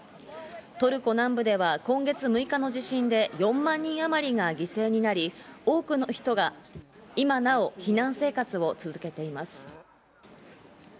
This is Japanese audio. トルコ南部では今月６日の地震で４万人あまりが犠牲になり、多くの人が今なお避難生活を続けています。